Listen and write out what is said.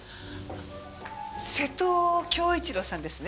瀬戸恭一郎さんですね？